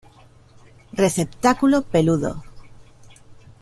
Receptáculo peludo.